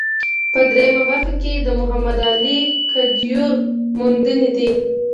په درېیمه برخه کې د محمد علي کدیور موندنې دي.